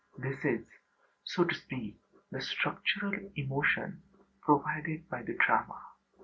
This is, so to speak, the structural emotion, provided by the drama.